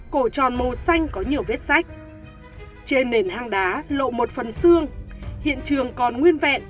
cổ tròn màu xanh có nhiều vết sách trên nền hang đá lộ một phần xương hiện trường còn nguyên vẹn